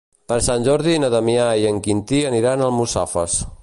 Per Sant Jordi na Damià i en Quintí aniran a Almussafes.